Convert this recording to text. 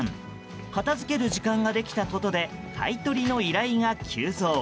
片づける時間ができたことで買い取りの依頼が急増。